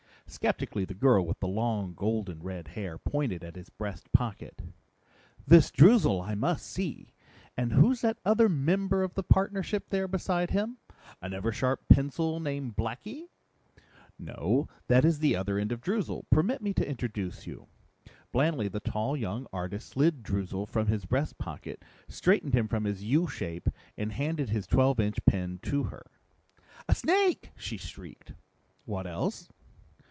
Skeptically the girl with the long, golden red hair pointed at his breast pocket. "This Droozle I must see. And who's that other member of the partnership there beside him? An Eversharp pencil named Blackie?" "No, that is the other end of Droozle. Permit me to introduce you." Blandly the tall, young artist slid Droozle from his breast pocket, straightened him from his U shape and handed his twelve inch pen to her. "A snake!" she shrieked. "What else?"